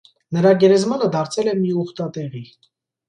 Նրա գերեզմանը դարձել է մի ուխտատեղի։